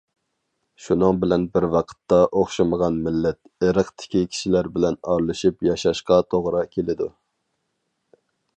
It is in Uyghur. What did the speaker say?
شۇنىڭ بىلەن بىر ۋاقىتتا ئوخشىمىغان مىللەت، ئىرقتىكى كىشىلەر بىلەن ئارىلىشىپ ياشاشقا توغرا كېلىدۇ.